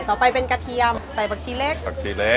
ต่อไปเป็นกระเทียมใส่ผักชีเล็กผักชีเล็ก